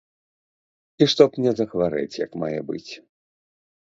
І што б мне захварэць як мае быць.